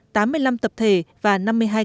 tám mươi năm tập thể và năm mươi tập thể